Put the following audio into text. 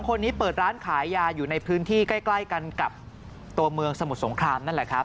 ๒คนนี้เปิดร้านขายยาอยู่ในพื้นที่ใกล้กันกับตัวเมืองสมุทรสงคราม